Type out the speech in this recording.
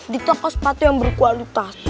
di toko sepatu yang berkualitas